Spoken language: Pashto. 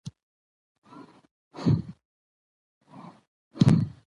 افغانستان د تاریخ د ترویج لپاره پوره او ځانګړي ګټور پروګرامونه لري.